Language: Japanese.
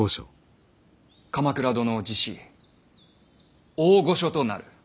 鎌倉殿を辞し大御所となる。